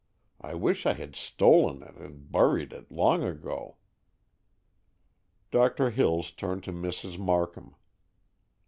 I wish I had stolen it and buried it long ago!" Doctor Hills turned to Mrs. Markham.